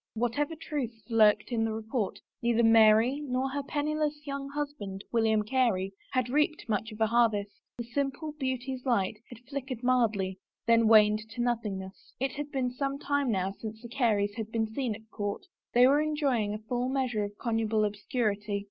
37 THE FAVOR OF KINGS Whatever truth lurked in the report, neither Mary nor her penniless young husband, William Carey, had reaped much of a harvest; the simple beauty's light had flick ered mildly, then waned to nothingness. It had been some time now since the Careys had been seen at court ; they were enjoying a full measure of connubial obscur ity.